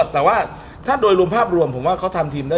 แต่ว่าหลวนภาพอวนผมว่ามันทำทีมด้วย